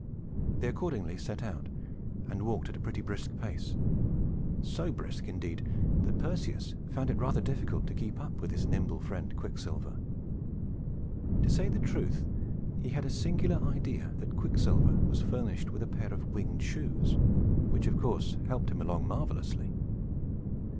They accordingly set out, and walked at a pretty brisk pace; so brisk, indeed, that Perseus found it rather difficult to keep up with his nimble friend Quicksilver. To say the truth, he had a singular idea that Quicksilver was furnished with a pair of winged shoes, which, of course, helped him along marvelously.